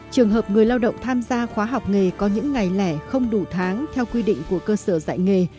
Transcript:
trường hợp người lao động tham gia khóa học nghề có những ngày lẻ không đủ tháng theo quy định của cơ sở dạy nghề